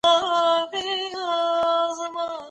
هغه په سختو حالاتو کي وځلېد